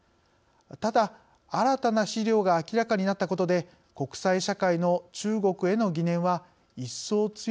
ただ新たな資料が明らかになったことで国際社会の中国への疑念は一層強くなったと言えます。